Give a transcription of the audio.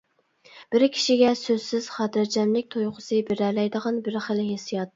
بىر كىشىگە سۆزسىز خاتىرجەملىك تۇيغۇسى بېرەلەيدىغان بىر خىل ھېسسىيات.